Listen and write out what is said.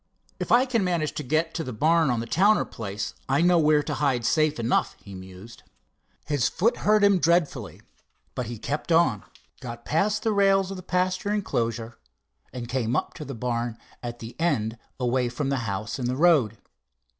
"If I can manage to get to the barn on the Towner place, I know where to hide safe enough," he mused. His foot hurt him dreadfully, but he kept on, got past the rails of the pasture enclosure, and came up to the barn at the end away from the house and the road.